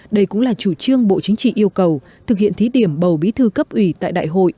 đây cũng là chủ trương bộ chính trị yêu cầu thực hiện thí điểm bầu bí thư cấp ủy tại đại hội